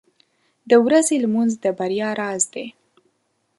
• د ورځې لمونځ د بریا راز دی.